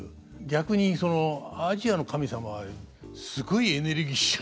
逆にアジアの神様はすごいエネルギッシュで。